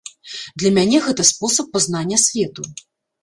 Для мяне гэта спосаб пазнання свету.